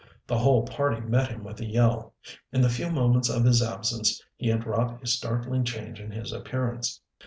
The whole party met him with a yell. In the few moments of his absence he had wrought a startling change in his appearance.